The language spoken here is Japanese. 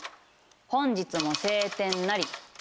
「本日も晴天なり」。